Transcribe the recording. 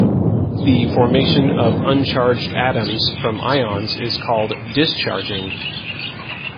The formation of uncharged atoms from ions is called discharging.